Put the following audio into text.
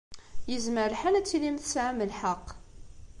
Yezmer lḥal ad tilim tesɛam lḥeqq.